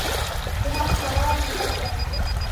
جہاں کھڑا ہونا چاہیے۔